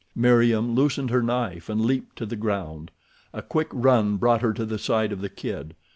Meriem loosened her knife and leaped to the ground. A quick run brought her to the side of the kid.